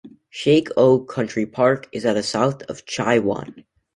Shek O Country Park is at the south of Chai Wan.